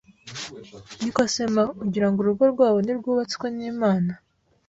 Niko se ma ! Ugira ngo urugo rwabo ntirwubatswe n’Imana!